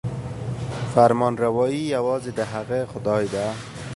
فرمانروايي یوازې د هغه خدای ده.